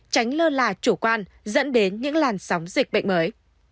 tránh lơ là chủ quan dẫn đến những làn sóng dịch bệnh mới